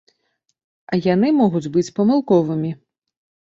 А яны могуць быць памылковымі.